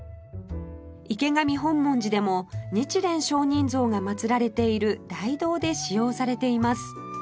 池上本門寺でも日蓮聖人像がまつられている大堂で使用されています